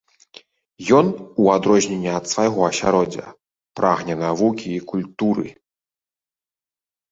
Ён, у адрозненне ад свайго асяроддзя, прагне навукі і культуры.